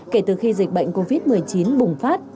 kể từ khi dịch bệnh covid một mươi chín bùng phát